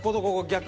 逆。